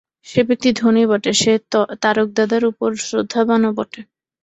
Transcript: সে ব্যক্তি ধনী বটে, সে তারকদাদার উপর শ্রদ্ধাবানও বটে।